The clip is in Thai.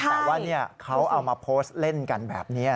แต่ว่าเขาเอามาโพสต์เล่นกันแบบนี้